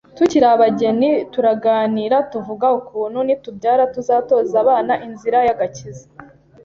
tukiri abageni turaganira tuvuga ukuntu nitubyara tuzatoza abana inzira y’agakiza